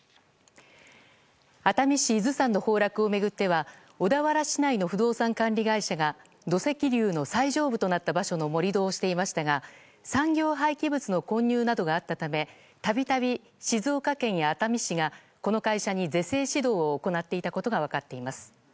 熱海市伊豆山の崩落を巡っては小田原市内の不動産管理会社が土石流の最上部となった場所の盛り土をしていましたが産業廃棄物の混入などがあったためたびたび静岡県熱海市がこの会社に是正指導を行っていたことが分かっています。